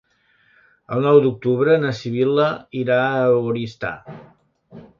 El nou d'octubre na Sibil·la irà a Oristà.